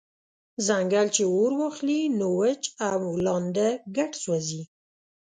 « ځنګل چی اور واخلی نو وچ او لانده ګډ سوځوي»